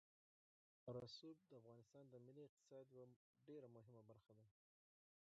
رسوب د افغانستان د ملي اقتصاد یوه ډېره مهمه برخه ده.